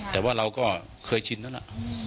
แต่ว่าเราก็เคยชินแล้วล่ะ